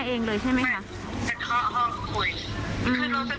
คุณแม่ได้คุยกับเขาตอนไหนครับคุณแม่เมื่อเช้า